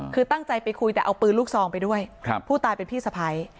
คือตั้งใจไปคุยแต่เอาปืนลูกซองไปด้วยผู้ตายเป็นพี่สะพ้าย